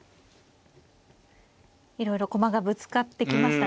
いろいろ駒がぶつかってきましたね。